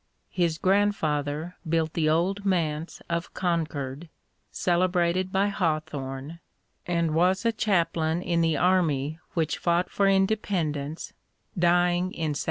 His grandfather built the Old Manse of Concord, celebrated by Hawthorne, and was a chaplain in the army which fought for independence, dying in 1776.